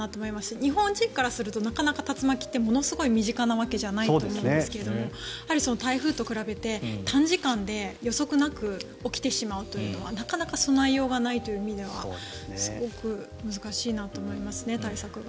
日本人からすると竜巻ってものすごい身近なわけじゃないと思うんですが台風と比べて短時間で、予測なく起きてしまうというのはなかなか備えようがないという意味ではすごく難しいなと思いますね対策が。